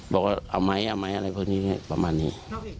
บอกว่าเอาไหมเอาไหมอะไรพวกนี้ประมาณนี้